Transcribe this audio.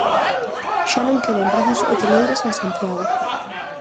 Xa non quedan prazas hoteleiras en Santiago.